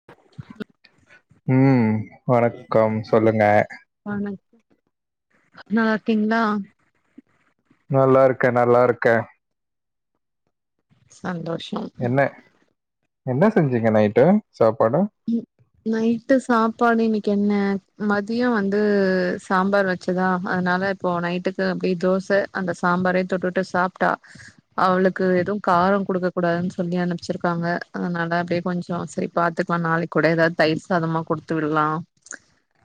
ஆ ஹ ம் வணக்கம் ம் சொல்லுங்க வணக் நல்லா இருக்கீங்களா நல்லா இருக்கேன் நல்லா இருக்கேன் சந்தோஷம் என்ன என்ன செஞ்சீங்க நைட்டு சாப்பாடு ம் நைட்டு சாப்பாடு இன்னிக்கு என்ன மதியம் வந்து சாம்பார் வச்சதா அதனால இப்போ நைட்டுக்கு அப்டியே தோசை அந்த சாம்பாரே தொட்டுட்டு சாப்ட்டா அவளுக்கு எதுவும் காரம் குடுக்க கூடாதுன்னு சொல்லி அனுப்பிச்சிருக்காங்க அதனால அப்டே கொஞ்சம் சரி பாத்து ப்பா நாளை கூட ஏதாவது தைச அதாதமா குடுத்து விடலாம்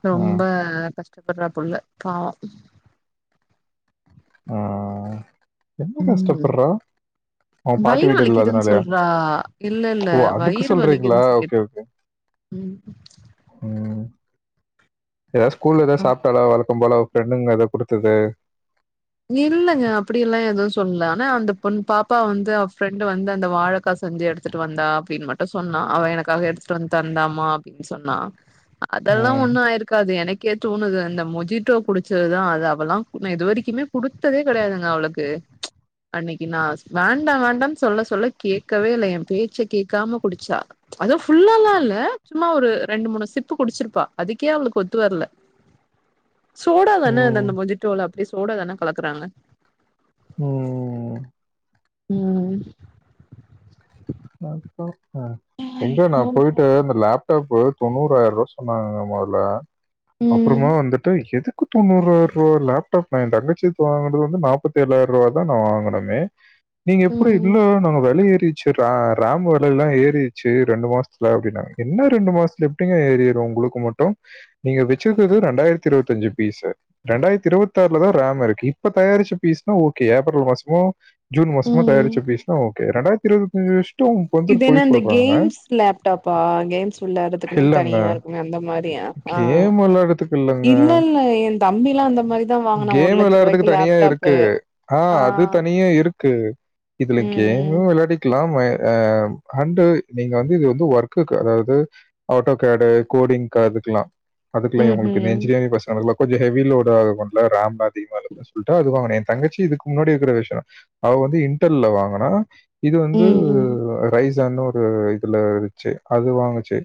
ரொம்ப ம் கஷ கஷ்டப்படுற புள்ள பாவோ ஆ ஆ என்ன கஷ்டப்படுறா அவன் பாட்டு வயிர் வீடு வலிக்குதுன்னு இல்லாதனாலயா சொல்றா இல்ல இல்ல ஓ அதுக்கு வயிறு சொல்றீங்களா வலிக்குதுன்னு ஓகே சொல்லிட்டு இரு ஓகே ம் ம் ஏதாவது ஸ்கூல்ல ஆ ஏதாவது சாப்பிட்டாலோ வளர்க்கம் போல ப்ரெண்டுங்க ஏதாவ குடுத்தது இல்லலைங்க அப்டி எல்லாம் எதுவும் சொல்லல ஆனா அந்த பொண் பாப்பா வந்து அவ ஃப்ரெண்டு வந்து அந்த வாழைக்கா செஞ்சு எடு எடுத்துட்டு வந்தா அப்டின்னு மட்டும் சொன்னா அவன் எனக்காக எடுத்துட்டு வந்து தந்தாமா அப்டின்னு சொன்னா அ அதெல்லா ம் ஒண்ணு ஆய்ரு க்காது எனக்கே தோணுது அந்த மொஜிட்டோ குடிச்சதுதா அது அவெல்லா இது வரைக்குமே குடுத்ததே கிடையாது அவளுக்கு அன்னைக்கு நா வேண்டா வேண்டானு சொல்ல சொல்ல கேட்கவே இல்ல எ பேச்ச கேட்காம குடிச்சா அதுவு ஃபுல்லால்லா இல்ல சும்மா ஒரு ரெண்டு மூணு சிப்பு குடிச்சிருப்பா அதுக்கே அவளுக்கொத்து வரல சோடாதான அந்த ம் அந்த மொஜிட்டோல அப்டியே சோடாதான கலக்குறாங்க ம் ம் எங்க நா ஐயோ! போய்ட்டு இந்த லேப் டாப் தொண்ணூறாயிரோ ரூபா சொன்னாங்கங்க முதல அப்றமா ம் வந்துட்டு எதுக் கு தொண்ணூறாயிர ரூபா லேப்டாப் நா ஏ தங்கச்சிக் வாங்குனது வந்து நாப்பத்தி ஏழாயிர ரூபா தா நா வாங்கினனே நீங்க எப்டி ம் இல்ல நாங்க வெல ஏறிச்சு ர ராம் வெல எல்லா ஏறிச்சு ரெண்டு மாசத்துல அப்டினாங்க என்ன ரெண்டு மாசத்துல எப்டிங்க ஏறிறு உங்களுக் மட்டு நீங்க வச்சிருக்கறது ரெண்டாயிரத்தி இருபத்தி அஞ்சு பிஸு ரெண்டாயிரத்தி இருபத்தாறுலதா ரமிருக்கு இப்ப தயாரிச்ச பீஸ்னா ஓகே ஏப்ரல் மாசமோ ஜூன் மாசமோ ம் தயாரிச்ச பீஸ்னா ஓகே ரெண்டாயிரத்தி இருபத்தஞ்சு இது என்ன இந்த கேம்ஸ் லேப்டாப்பா கேம்ஸ் விளையாடுறதுக்குனே "இல்லங்க. தனியா இருக்குமே அந்த மாரியா ஆ கேம் விளையாடுறதுக்கு இல்லங்க. இல்லல்ல என் தம்பிலா அந்த மாரிதா வாங்குனா ஒரு கேம் லட்ச விளையாடுறதுக்கு ரூபாய்க்கு தனியா இருக்கு." லேப்டாப்பு ஆ அது தனியா இருக்கு இதுல கேமு ம் விளையாடி இருக்லாம் அ ஹண்டு நீங்க வந்து இது வந்து ஒர்க்குக்கு அதாவது ஆட்டோகேடு கோடிங் கதுக்கலாம் அதுகுல்லயு ம் உங்களுக்கு இந்த ம்ஹும் என்ஜினேரிங் பசங்களுக்குல கொஞ்சோ ஹெவி லோடு ஆகும்போதுல ரம் அதிகமா இருக்குன்னு சொல்ட்டு அது வாங்குனேன் தங்கச்சி இதுக்கு முன்னாடி இருக்கிற வெர்ஷனு அவ வந்து இன்டெல்ல வாங்குனா இது வந்து ம் ரைஸ்ஸான்னு ஒரு இதுல இருச்சு அது வாங்குச்சு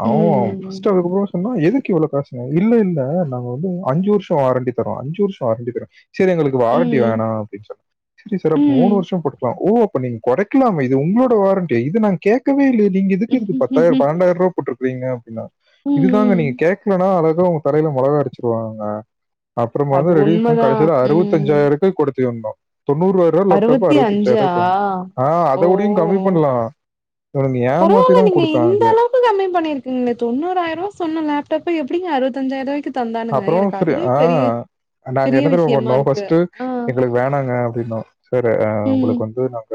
ஆ வ ம் ஃபர்ஸ்ட் எடுக்கு போது சொன்னா எதுக்கு இவ்ளோ காசுங்க இல்ல இல்ல நாங்க வந்து அஞ்சு வருஷோ வாரண்டி தர்றோ அஞ்சு வருஷோ வாரண்டி தரோ சேரி எங்களுக்கு ம் வாரண்டி வேணா அப்டின்னு சொன்னே சேரி சார் அப்ப மூணு ம் வருஷோ போட்டுக்கலா ஓ அப்ப நீங்க குறைக்கலாம இது உங்களோட வாரண்டி இது நாங்க கேக்கவே இல்லயே நீங்க எதுக்கு இதுக்கு பத்தாயிரம் ம் பன்னெண்டாயிரோ ரூபா போட்டுருக்கறீங்க அப்டினா இதுதாங்க ம் நீங்க கேக்லனா அழகா உங்க தலைல முளகா அரச்சிருவாங்கங்க அது அப்றோமாதா ரெட்யூஸ் பண்ணி உண்மதா கடைசில ம் அறுவத்தஞ்சாயிரோ ரூபா குடுத்து வந்தோ தொண்ணூறு லேப்டாப் அறுவத்தி அறுபத்தஞ்சாயி அஞ்சா ரூவாக்கு வாங்குனோ ஆ ஓ அதவுடியு கம்மி பண்லா இவனுக ஏமாத்திதா பரவால்ல நீங்க இந்த குடுத்தாங்களே கம்மி பண்ணிருக்கீங்ளே தொண்ணூராயிரோ ரூபா சொன்னா லேப்டாப்ப எப்டிங்க அறுவத்தஞ்சாயிரவாய்க்கு அப்றோம் ஆ நாங்க பெரிய என்ன தெரிமா விஷயமா பண்ணோம் இருக்கு ஃபர்ஸ்ட்டு ஆ எங்களுக்கு வேணாங்க அப்டின்னோம் சேரி அ உங்களுக்கு ம் வந்து நாங்க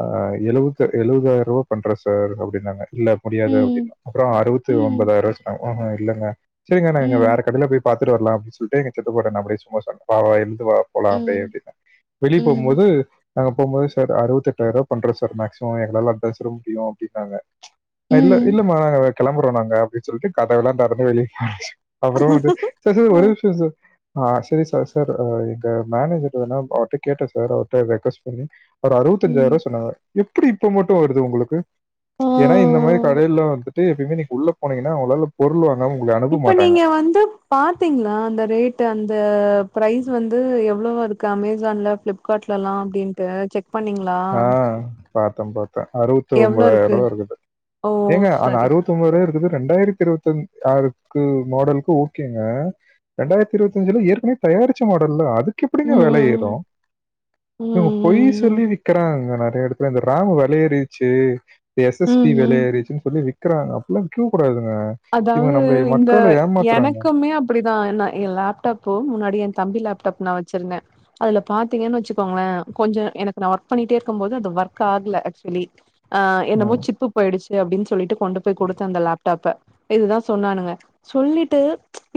ஆ எழுபத்த எழபதாயிரம் ரூபா பண்றன் சார் அப்டின்னாங்க இல்ல முடியாது ம் அப்டின்னோ அப்றோ அறுபத்து ம் ஒன்பதாயிரோ ரூபாய் சொன்னாங்க இல்லங்க சரிங்க நா எங்க வேற ம் உள்ள போய் பாத்துட்டு வரலா அப்டினு சொல்ட்டு எங்க சித்தப்பாட்ட நா அப்டியே சும்மா சொன்னே வா எழுது வா போலா ம் அடியேப் பின்ன வெளிய ம் போம்போது நாங்க போகுபோது சார் அறுபத்தெட்டாயிர ரூபா பண்றோ சார் மேக்சிமம் எங்களால அதுதா சார் முடியும் அப்டின்னாங்க இல்ல ம் இல்லம்மா நாங்க கிளம்புறோ நாங்க அப்டின்னு சொல்ட்டு கதவலா திறந்து வெளிய அப்றோ வந்து சார் சார் ஆ ஒரே நிம்ஷோ சார் ஆ சேரி சார் சார் அ எங்க மேனேஜர் வேனா அவர்ட்ட கேட்டே சார் அவர்ட்ட ரெக்வஸ்ட் பண்ணி ஒரு ம் அறுபத்தஞ்சாயிரம் ரூபா சொன்னார் எப்டி இப்ப மட்டு வருது உங்களுக்கு ஆ ஏனா இந்த மாரி கடைல எப்பயுமே நீங்க உள்ள போனீங்கன்னா உங்களால பொருள் வாங்காம உங்கள இப்ப அனுப்பமாட்டாங்க நீங்க வந்து பாரத்தீங்களா அந்த ரேட்டு் அந்த ப்ரைஸ் வந்து எவ்ளோவா இருக்கு அமேசான்ல ஃப்ளிப் கார்ட்லலா அப்டின்ட்டு பண்ணீங்களா ஆ பாத்த பாத்தே அறு வத்தி எவ்வளோ ஒன்பதார இருக்கு ரூபா இருக்குது ஓ ஏங்க அந்த சரி அறுபத்தி ஒன்பது ரூபாயிருக்குது ரெண்டாயிரத்தி இருபத் ஆறுக்கு மாடலுக்கு ஓகேங்க ரெண்டாயிரத்தி இருபத்திஞ்ல ஏற்கனவே தயாரிச்ச மாடல்தா அதுக் ம் கிப்படின்ங்க வெளையறு ம் ம் இவங்க ம் பொய் ம் சொல்லி விக் கிறாங்க நறைய எடத்துல இந்த ராமு வெளையேறிச்சு எஸ் ம் எஸ்டி ம் ம் வெளையேறிச்சுன்னு சொல்லி விக் கிறாங்க அப்பில்லா விக்க கூடாதுங்க இவங்க அதாங்க நம்மள இந்த மக்களை ஏமாத்துறாங்க எனக்குமே அப்பிடிதா நா எ லேப்டாப்பு முன்னாடி ஏ தம்பி லேப்டாப் நா வச்சிருந்தே அதுல பாத்தீங்கன்னு வச்சுக்கோங்களே கொஞ்சோ எனக்கு நா ஒர்க் பண்ணிட்டே இருக்கும் போது அது ஒர்க் ஆகல ஆக்சுவலி ஆ என்னமோ ம், சிப்பு போயிடுச்சு அப்படின்னு சொல்லிட்டு கொண்டு போய் கொடுத்தே அந்த லேப்டாப்ப இதுதா சொன்னானுங்க சொல்லிட்டு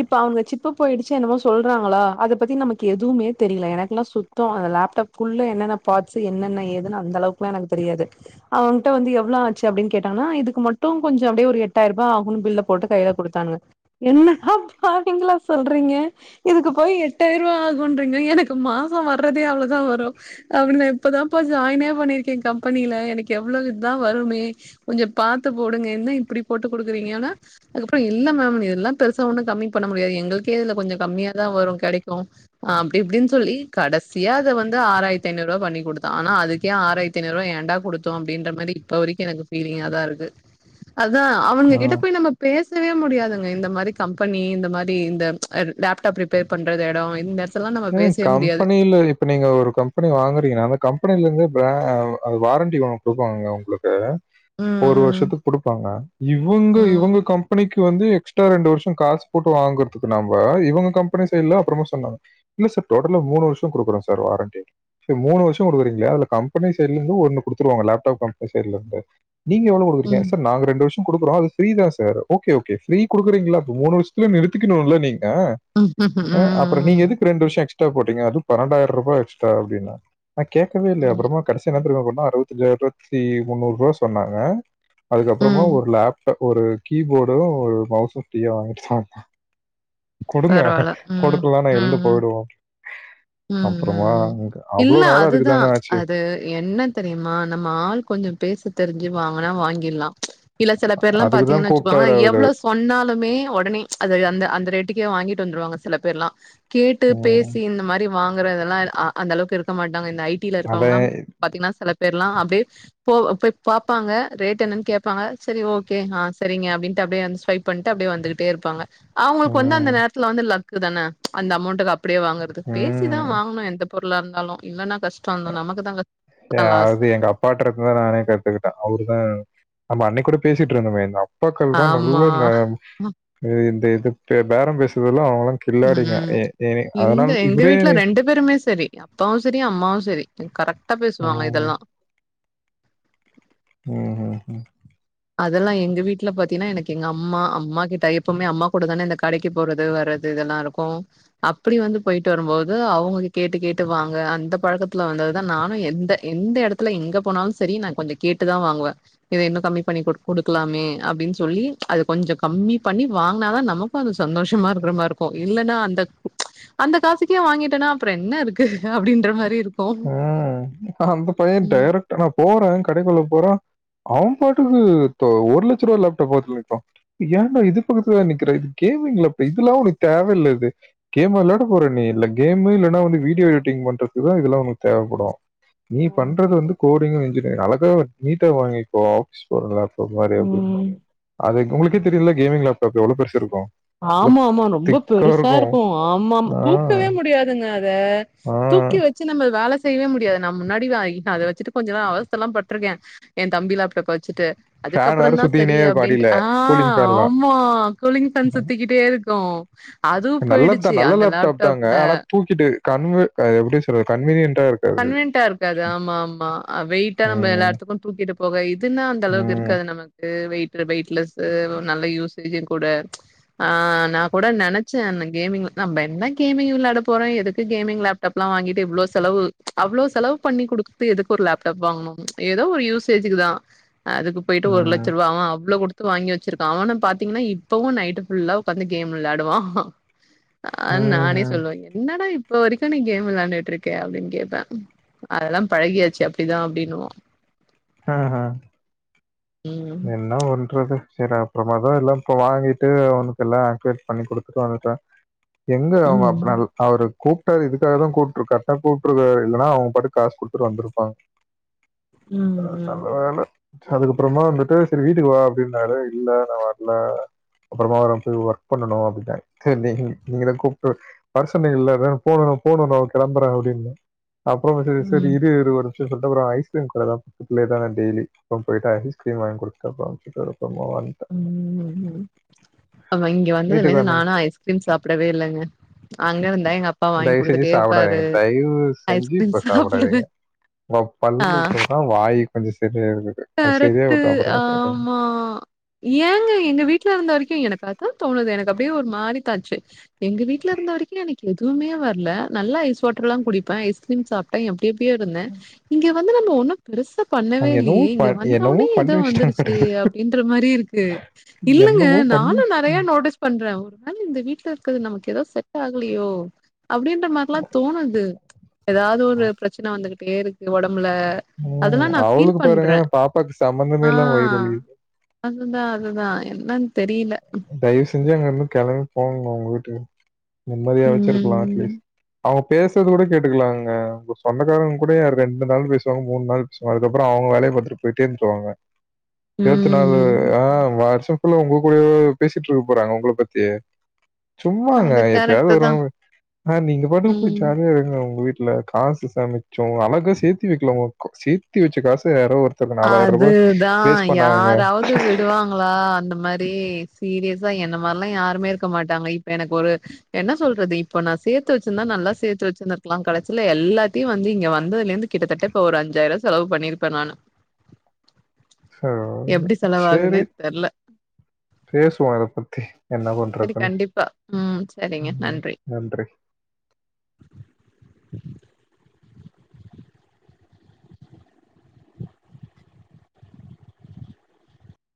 இப்ப அவங்க சிப்ப போயிடுச்சு என்னவோ சொல்றாங்களா அத பத்தி நமக்கு எதுவுமே தெரியல எனக்கெல்லா சு த்தம அந்த லேப்டாப்க்குள்ள என்னென்ன பா்ஸ்சு என்னென ஏதுன்னு அந்த அளவுக்குலா எனக்கு தெரியாது அவங்கிட்ட வந்து எவ்ளோவு ஆச்சு அப்டின்னு கேட்டங்கன்னா இதுக்கு மட்டு கொஞ்சோ அப்டியே எட்டாயிரூபா ஆகுணு பில்ல போட்டு கையில கொடுத்தானுங்க என்னடா பாவிங்ளா சொல்றீங்க இதுக்கு போய் எட்டாயிரூபா ஆகுன்றீங்க எனக்கு மாசோ வர்றதே அவ்ளோதா வரு அவனுங்க இப்பதாப்ப ஜாயினே பண்ணியிருக்கே கம்பெனியில எனக்கு எவ்ளோவுதா வருமே கொஞ்சோ பாத்து போடுங்க என்ன இப்படி போட்டு குடுக்குறீங்கன்னா அதுக்கப்புறோ இல்ல மேம் இதெல்லாம் பெருசா ஒண்ணு கம்மி பண்ண முடியாது எங்களுக்கே இதுல கொஞ்சோ கம்மியா தா வரு கெடைக்கு ஆ அப்டி இப்டின்னு சொல்லி கடசியா அத வந்து ஆறாயிரத்தி ஐநூ ரூவா பண்ணி குடுத்தா ஆனா அதுக்கே ஆறாயிரத் தி ஐநூருவா ஏண்டா குடுத்தோ அப்டின்ற மாறி இப்ப வரைக்கு எனக்கு ஃபீலிங்கா தா இருக்கு அதா அவனுங்க கிட்ட ம். போய் நம்ம பேசவே முடியாதுங்க இந்த மாரி கம்பனி இந்த மாரி இந்த லேப்டாப் ரிப்பேர் பண்றது எடோ இந்த எடத் ஏங் கம்பனில இப் ப நீங்க ஒரு கம்பனி வாங்குறீங்கன்னா அந்த கம்பெனிலேருந்து ப்ர அது வாரண்டி ஒன்னு குடுப்பாங்க ஒங்ளுக்கு ஒரு ம் வருஷத்துக் குடுப்பாங்க இவுங்க ம் இவுங்க கம்பெனிக் கு வந்து எக்ஸ்ட்ரா ரெண்டு வருஷோ காசு போட்டு வாங்குறதுக்கு நம்ப இவுங்க கம்பெனி சைட்ல புரோமஷன்னாங்க இல்ல சார் டோட்டலா மூணு வருஷோ குடுக்குறோ சார் வாரண்ட்டி செரி மூணு வருஷோ குடுக்றீங்ளியா அதுல கம்பெனி சைட்லருந்து ஒன்னு குடுத்துருவாங்க லேப்டாப் கம்பெனி சைட்லருந்து நீங்க எவ்ளோ குடுக்றீங்க ம் சார் நாங்க ரெண்டு வருஷோ குடுக்குறோ அது ஃப்ரீ தா சார் ஓகே ஓகே ஃப்ரீ குடுக்குறீங்ளா அப்ப மூணு வருஷத்துல நிறுத்திக்குணுல நீங்க ம் ம் ம் ஆ அப்றோ நீங்க ம் எதுக்கு ரெண்டு வருஷோ எக்ஸ்ட்ரா போட்டீங்க அது பன்னெண்டாயிர ரூபா எக்ஸ்ட்ரா அப்டின்ன நா கேக்கவே இல்ல ம் ம் அப்றோமா கடசியா என்னா தெரியுமா பண்ணா அறுவத்திஞ்சாயரத்தி இருவத்தி முன்னூறு ரூபா சொன்னாங்க அதுக்கப்றமா ம், ஒரு லேப்டாப் ஒரு கீபோர்டு ஒரு மௌஸு ஃப்ரீயா வாங்கு ச்சா குடுங்க பரவால்ல ம் கொடுக்கலானா ம் எழுந்து ம் போய்டுவோ ம், அப்றோமா எனக் அவ்ளோ நேரோ அதுக்குதாங்க ஆச்சு எ எ என்னன் தெரியுமா நம்ம ஆள் கொஞ்சோ பேச தெரிஞ்சு வாங்குனா வாங்கில்லா இல்ல செல பேர்லா அதுக்கு தான் பாத்தீங்னா வச்சுக்கோங்க கூப்பிட்டாரு அவரு. எவ்ளோ சொ ன்னாலுமே ஒடனே அது அந்த அந்த ரேட்டுக்கே வாங்கிட்டு வந்துருவாங்க சில பேர்ல்லா கேட்டு ம். பேசி இந்த மாறி வாங்குறதல்லா அ அந்த அளவுக்கு இருக்க மாட்டாங்க இந்த ஐ டில இருக்கவங்ல்லா அவன் பாத்தீங்ன்னா சில பேர்ல்லா அப்டியே போ போய் பாப்பாங்க ரேட் என்னன்னு கேப்பாங்க சரி ஓகே ஆ சரிங்க அப்டின்ட்டு அப்டியே அந்த ஸ்வைப் பண்ட்டு அப்டியே வந்துகிட்டே இருப்பாங்க அவுங்களுக்கு வந்து அந்த ம். நேரத்துல வந்து லக்கு தானே அந்த அமௌண்ட்டுக்கு அப்டியே வாங்குறது பேசி தா ம். வாங்கணு எந்த பொருளா இருந்தாலு இல்லன்னா கஷ்டோ அந்த நமக்கு தா கஷ் தா லாஸ் அதாவுது எங்க அப்பாட்டு இருந்து தா நானே கத்துக்கிட்டே அவரு தா நம்ம அன்னைக்கு கூட பேசிட்டு இருந்தோமே எங்க அப் பாக்கள் தா ஆமா நல்ல ந இந்த இது பேரோ பேசுறல்லா அவுங்க கில்லாடிங்க ம் ஏ ஏ இந்த அதனால் எங்க இவரே வீட்ல எனை ரெண்டு பேருமே சரி அப்பாவு செரி அம்மாவு செரி கரெக்டா பேசுவாங்க ம். இதல்லா ம் ம் ம் அதெல்லா எங்க வீட்ல பாத்தீங்ன்னா எனக்கு எங்க அம்மா அம்மா கிட்ட எப்பவுமே அம்மா கூட தானே இந்த கடைக்கு போறது வரத் து இதெல்லா இருக்கு அப்டி வந்து போயிட்டு வரும்போது அவுங்க கேட்டு கேட்டு வாங்க அந்த பழக்கத்துல வந்தது தா நானு எந்த எந்த எடத்துல எங்க போனாலு சரி நா கொஞ்சோ கேட்டுதா வாங்குவே இத இன்னு கம்மி பண்ணி குடு குடுக்லாமே அப்டின்னு சொல்லி அது கொஞ்சோ கம்மி பண்ணி வாங்னாதா நமக் கு சந்தோஷமா இருக்கிற மாரி இருக்கு இல்லன்னா அந்த அந்த காசுக்கே வாங்கிட்டனா அப்றோ என்ன இருக்கு அப்டின்ற மாரி இருக் ம் ஆனா அந்த பய்யே ம் டைரக்டா நா போற கடைக்குள்ள போற அவ பாட்டுக்குனு தோ ஒரு லட்ச ரூவா லேப்டாப் பாத்துனுருன்க்கா ஏண்டா இது பக்கத்துல நிக்கிற இது கேமிங்லேப் இதெல்லா ஒனக்கு தேவல்ல இது கேமா வெளாட போறே நீ இல்ல கேம் இல்லன்னா வந்து வீடியோ எடிட்ங் பண்றதுக்குதா இதெல்லா உனுக் தேவப்படு நீ பண்றது வந்து கோடிங்கு இன்ஜினியரிங் அழகா நீட்டாக வாங்கிக்கோ ஆபீஸ் போற லேப் மாரி அப்டின்னு ம் அது உங்ளுக்கே தெரியுல்ல கேமிங் லேப்டாப்பு எவ்ளோ பெருசு இருக்கு ஆமா ஆமா ரொம்ப பெருசா இருக்கு ஆமா ஆம் ஆ, தூக்கவே முடியாதுங்க அத ஆ தூக்கி வெச்சு நம்ம வேல செய்யவே முடியாது நா முன்னாடிலா அத வெச்சுட்டு கொஞ்ச நாள் அவஸ்தல்லா பட்டிருக்கே என் தம்பிலேப்டாப்ப வெச்சிட்டு ஃபேன் வேற அதுக்கப்புறந் தா சரி சுத்திக்கினே இருக்கும் அப்டின்ட்டு அடியில. ஆ கூலிங் ஃபேன்லாம். ஆமா கூலிங் ஃபேன் சுத் திக்கிட்டே இருக்கு அதுவு போயிடுச்சு அந்த லேப்டாப்ல சிட்டு கன்வெ எப்டி சொல்றது கன்வீனியன்ட்டா இருக் கன்வினியன்டா இருக்காது ஆமா ஆமா அ வெயிட்டா நம்ம ம். எல்லாத்துக்கு தூக்கிட்டு போக இதுன்னா அந்த அளவுக்கு ம். இருக்காது நமக் கு வெயிடட் வெயிட்லெஸ்ஸு நல்ல யூசேஜும் கூட ஆ நா கூட நெனச்சே கேமிங் நம்ம என்ன கேமிங் விளையாட போறோ எதுக்கு கேமிங் லேப் டப்பலா வாங்கிட்டு இவ்ளோ செலவு அவ்ளோ செலவு பண்ணி குடுத்து எதுக்கு ஒரு லேப்டாப் வாங்கணுஏதோ ஒரு யூசேஜக்கு தா அதுக்கு போயிட்டு ஒரு லட்ச ம். ரூபா அவ அவ்ளோ குடுத் த்து வாங்கி வெச்சிருக்கா அவனு பாத்தீங்கன்னா இப்பவு நைட் ஃபுல்லா உட்காந்து கேம் விளையாடுவா அ நானே ம்ஹ்ம். சொல்லுவே என்னடா இப்ப வரைக்கு நீ கேம் விளாண்டுட்டு இருக்க அப்டின்னு கேப் ப அதல்லா பழகியாச்சு அப்டிதா அப்டின்னுவா ஆ ஆ ம் என்ன பண்றது சரியப் றமாதா எல்லா இப்ப வாங்கிட்டு அவனுக்கு‌எல்லா ஆக்டிவேட் பண்ணி குடுத்துட்டு வந்துட்டே எங்க அவுங்க ம் அப்னால் அவுரு கூப்ட்டாரு இதுக்காக தா கூப்ட்டுருக்கா கரெக்டா கூப்ட்டுருக்காரு இல்லனா அவ பாட்டுக்கு காசு குடுத்துட்டு வந்துருப்பா அ நா ம் அ நா அதுக்கப்புறமா வந்துட்டு சரி வீட்டுக்கு வா அப்டின்னாரு இல்ல நா வர்ல அப்புறமா வரேன் போய் ஒர்க் பண்ணணும் அப்டின்டுடாங்க சரி நீ நீங்களும் கூப்ட்டு வர சொன்னிங்கல்ல வேணும் போணும் போணும் நா கெளம்பறே அப்டின்னே அப்புறமா சரி சரி ம் இரு ஒரு நிமிஷம் அப்படின்னு சொல்லிட்டு ஒரு ஐஸ்கிரீம் கடை ஏதோ மிட் நைட்டா தா டெய்லி அப்பறோ போயிட்டு ஐஸ்கிரீம் வாங்கி குடுத்து [unintelligible] உம் அவன் இங்க வந்ததுல வீட்டுக்கு இருந்து வந்தோனே, நானும் ஐஸ் கிரீம் சாப்பிடவே இல்லைங்க அங்க இருந்தா எங்க அப் தயவு செஞ்சு சாப்படாதீங்க தயவு செஞ்சு ஐஸ்கிரீம் இப்ப சாப்டுவே சாப்பிடாதீங்க உன் ஆ பல்லுக்குதான் வாய் கொஞ்சோ சரியாயிருக்குது அது கரெக்ட்டு. சரியாவட்டும் அப்புறமா பாத்துக்கலா ஆமா. ஏங்க எங்க வீட்ல இருந்த வரைக்கும் எனக்கு அத்தா தோணுது எனக்கு அப்படியே ஒரு மாறிக்கு ஆச்சு எங்க வீட்ல இருந்த வரைக்கும் எனக்கு எதுவுமே வர்ல நல்லா ஐஸ் வாட்டர் எல்லா குடிப்பே ஐஸ்கிரீம் சாப் ட எப்டி எப்டியோ இருந்தே இங்க வந்து நம்ம ஒன்னு பெருசா பண்ணவே அங்க என்னவோ இல்லையே ப இங்க என்னவோ வந்தோட்னே பண்ணி ஏதோ வச்சுட்டாங்க பாரு. வந்துருச்சு அப்படின்ற மாறி இருக்கு கு இல்லங்க என்னமோ பண்ணி நானும் வச்சுட்டா நெறைய நோ ட்டீஸ் பண்றே ஒரு நாளு இந்த வீட்ல இருக்கறது நமக்கு ஏதோ செட் ஆகலையோ அப்படின்ற மாறில்லா தோணுது ஏதாவது ஒரு பிரச்சனை வந்துகிட்டே இருக்கு உடம்புல அதெல்லா ம் நான் ஃபீல் அவளுக்கு பாருங்க பண்றே பாப்பாக்கு சம்பந்தமே ஆ இல்லாம வயிறு வலி அதுதா அதுதா என்னன்னு தெரில தயவு செஞ்சு அங்க இருந்து கெளம்பி போங்க உங்க வீட்டுக்கு நிம்மதியாவாச்சு இருக்கலா அட்லீஸ்ட் ம் அவங்க பேசறது கூட கேட்டுக்கலாங்க உங்க சொந்தக்காரங்க கூடய ரெண்டு நாள் பேசுவாங்க மூண்நாள் சோ அதுக்கப்றோம் அவுங்க வேலைய பாத்துட்டு போயிட்டே இருந்துருவாங்க நேத்து நானு ஆ ம் வருஷோ புல்லா உங்க கூடவே பேசிட்டு இருக்க போறாங்க உங்கள பத்தியே சும்மாங்க அது எப்பயாவது கரெக்ட்டு தா வருவாங்க ஆ நீங்க பாட்டு போய் ம் ஜாலியா இருங்க உங்க வீட்ல காசு சமைச்சோ அழக சேத்தி வைக்கலாமோ உங்க சேர்த்தி வச்ச காச யாரோ ஒரு ஒருத்தர்க்கு நாலாயிர ரூபா வேஸ்ட் பண்ணாங்கங்க வந்து விடுவாங்களா அந்த மாறி சீரியஸா என்ன மாறில்லா யாருமே இருக்க மாட்டாங்க இப்ப எனக்கு ஒரு என்ன சொல்றது இப்ப நா சேத்து வச்சிருந்தா நல்லா சேத்து வச்சிருந்திருக்கலா கடசில எல்லாத்தையும் வந்து இங்க வந்ததுல இருந்து கிட்டத்தட்ட இப்ப ஒரு அஞ்சாயிர ரூபா செலவு பண்ணியிருப்பேன் நானு ம் ஆமா எப்டி சேரி செலவாகுதுன்னே தெர்ல பேசுவோ இத பத்தி என்ன சரி பண்றதுன்னு கண்டிப்பா ம் சரிங்க ம் நன்றி